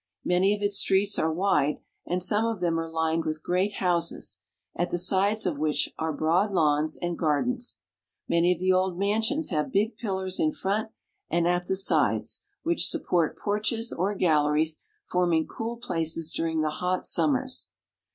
Many of its streets are wide, and some of them are lined with great houses, at the sides of which are broad lawns and gardens. Many of the old mansions have big pillars in front and at the sides, which support porches or galleries, forming cool places during the hot summers.